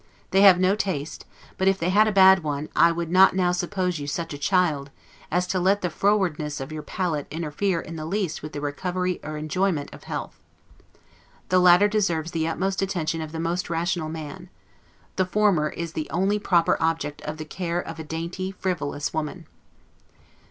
They have no taste; but if they had a bad one, I will not now suppose you such a child, as to let the frowardness of your palate interfere in the least with the recovery or enjoyment of health. The latter deserves the utmost attention of the most rational man; the former is the only proper object of the care of a dainty, frivolous woman.